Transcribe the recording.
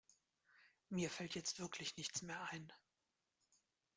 Mir fällt jetzt wirklich nichts mehr ein.